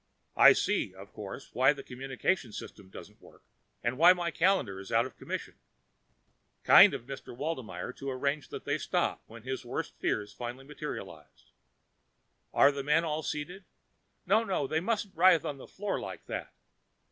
I see, of course, why the communications system doesn't work, why my calendar is out of commission. Kind of Mr. Waldmeyer to arrange for them to stop when his worst fears finally materialized. Are the men all seated? No, no, they mustn't writhe about the floor like that.